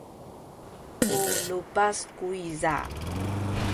u lupas kuyza.